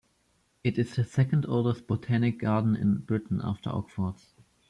It is the second oldest botanic garden in Britain after Oxford's.